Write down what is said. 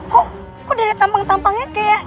kok dari tampang tampangnya kayak